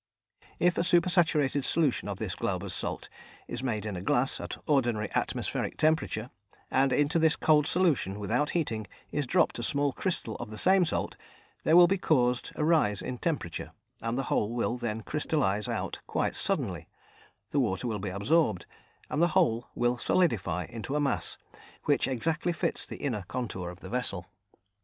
If a super saturated solution of this Glauber's Salt is made in a glass, at ordinary atmospheric temperature, and into this cold solution, without heating, is dropped a small crystal of the same salt, there will be caused a rise in temperature, and the whole will then crystallise out quite suddenly; the water will be absorbed, and the whole will solidify into a mass which exactly fits the inner contour of the vessel.